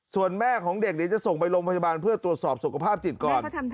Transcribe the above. ส่วนแม่ของเด็กเดี๋ยวจะส่งไปโรงพยาบาลเพื่อตรวจสอบสุขภาพจิตก่อน